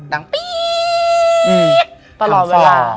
ดังปี๊ก